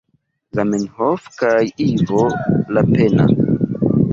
Zamenhof kaj Ivo Lapenna.